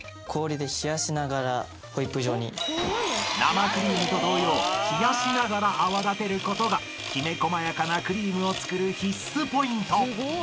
［生クリームと同様冷やしながら泡立てることがきめ細やかなクリームを作る必須ポイント］